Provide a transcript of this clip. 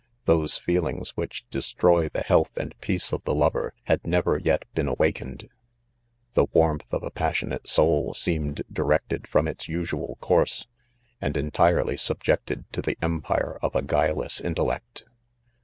Those feelings which des troy the health and peace of the lover, had ne ver jet been awakened. The warmth of a passionate soul seemed directed from its usual ' course, and entirely subjected to the empire "of. a guileless intellect.